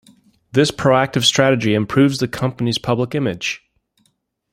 This proactive strategy improves the company's public image.